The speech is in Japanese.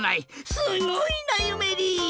すごいなゆめり！